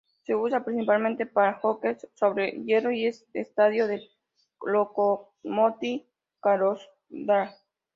Se usa principalmente para hockey sobre hielo y es el estadio del Lokomotiv Yaroslavl.